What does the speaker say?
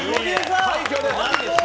快挙です！